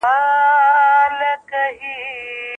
د افغانستان بهرنیو تګلاره د عدالت ملاتړ نه کوي.